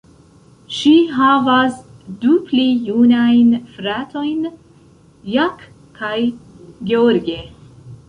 Ŝi havas du pli junajn fratojn, Jack kaj George.